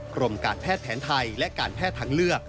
กรมการแพทย์แผนไทยและการแพทย์ทางเลือก